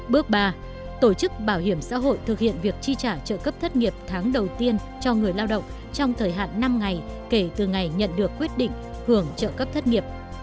bước ba tổ chức bảo hiểm xã hội thực hiện việc chi trả trợ cấp thất nghiệp tháng đầu tiên cho người lao động trong thời hạn năm ngày kể từ ngày nhận được quyết định hưởng trợ cấp thất nghiệp